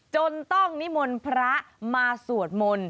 จนต้องนิมนต์พระมาสวดมนต์